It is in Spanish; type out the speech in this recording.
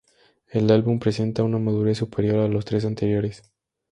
El álbum presenta una madurez superior a los tres anteriores.